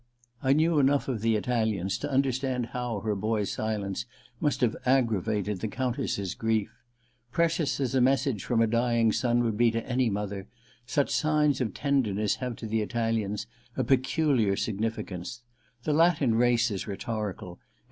I knew enough of the Italians to understand how her boy*s silence must have aggravated the Countess's grief. Precious as a message from a dying son would be to any mother, such signs of tenderness have to the Italians a peculiar II THE LETTER 245 significance. The Latin race is rhetorical : it